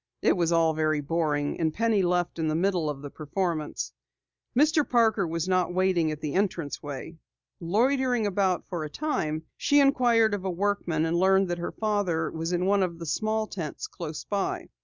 It was all very boring, and Penny left in the middle of the performance. Mr. Parker was not waiting at the entrance way. Loitering about for a time, she inquired of a workman and learned that her father was in one of the small tents close by.